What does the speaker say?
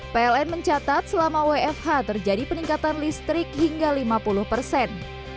pln mencatat selama wfh terjadi peningkatan listrik hingga lima puluh persen